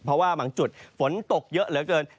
เพราะว่าบางจุดฝนตกเยอะเหลือเกิน